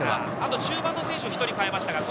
中盤の選手も代えました。